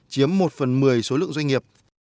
chiếm một phần mười số lượng doanh nghiệp